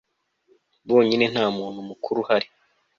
bonyine ntamuntu mukuru uhari